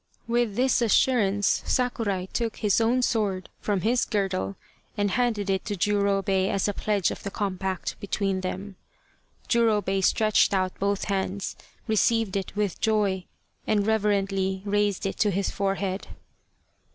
With this assurance Sakurai took his own sword from his girdle and handed it to Jurobei as a pledge of the compact between them. Jurobei stretched out both hands, received it with joy, and reverently raised it to his forehead.